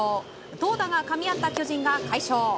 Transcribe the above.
投打がかみ合った巨人が快勝。